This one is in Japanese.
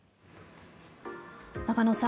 中野さん